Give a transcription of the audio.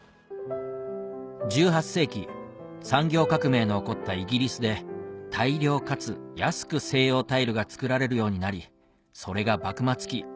１８世紀産業革命の起こったイギリスで大量かつ安く西洋タイルが作られるようになりそれが幕末期